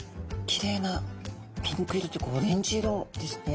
きれいなピンク色というかオレンジ色ですね。